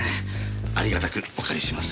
有り難くお借りします。